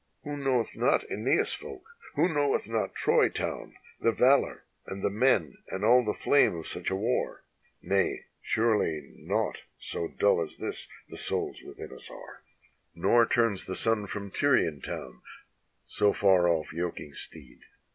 Who knoweth not ZEneas' folk? who knoweth not Troy town, The valor, and the men, and ail the tlame of such a war? Nay, surely nought so dull as this the souls within us are, 273 NORTHERN AFRICA Nor turns the sun from Tyrian town, so far off yoking steed.